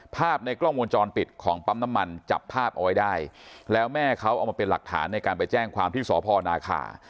ภาพในกล้องวงจรปิดของปั๊มน้ำมันจับภาพเอาไว้ได้แล้วแม่เขาเอามาเป็นหลักฐานในการไปแจ้งความที่สพนาคา